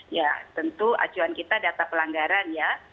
ya tentu acuan kita data pelanggaran ya